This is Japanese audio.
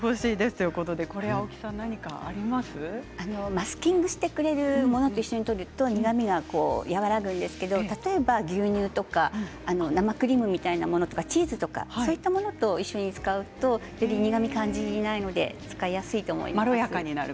マスキングしてくれるものと一緒にとると苦みが和らぐんですけど、例えば牛乳とか生クリームみたいなものとかチーズとかそういったものと一緒に使うとより苦みを感じないので使いやすいと思います。